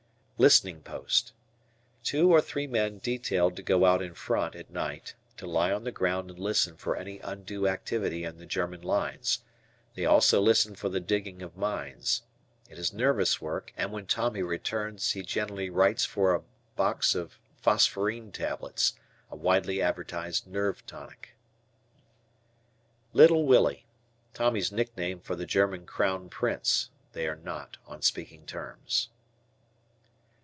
Listening Post. Two or three men detailed to go out "in front" at night, to lie on the ground and listen for any undue activity in the German lines. They also listen for the digging of mines. It is nervous work and when Tommy returns he generally writes for a bos of "Phosperine Tablets," a widely advertised nerve tonic. "Little Willie." Tommy's nickname for the German Crown. Prince. They are not on speaking terms.